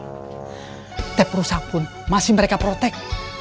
setiap perusahaan pun masih mereka protek